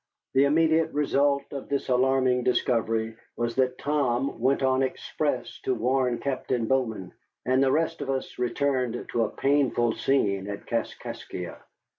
The immediate result of this alarming discovery was that Tom went on express to warn Captain Bowman, and the rest of us returned to a painful scene at Kaskaskia.